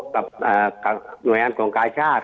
กับหน่วยงานส่งกายชาติ